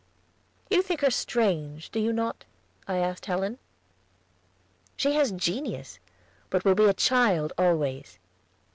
"You think her strange, do you not?" I asked Helen. "She has genius, but will be a child always."